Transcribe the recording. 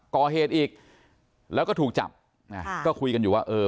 ก่อเหตุอีกแล้วก็ถูกจับนะฮะก็คุยกันอยู่ว่าเออ